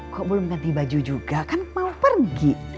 kok belum ganti baju juga kan mau pergi